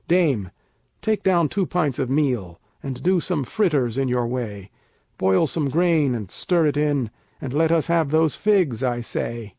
Dame, take down two pints of meal, and do some fritters in your way; Boil some grain and stir it in, and let us have those figs, I say.